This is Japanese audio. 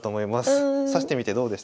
指してみてどうでしたか？